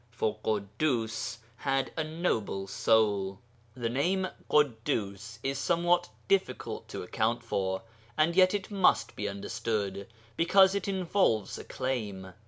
For Ḳuddus had a noble soul. The name Ḳuddus is somewhat difficult to account for, and yet it must be understood, because it involves a claim.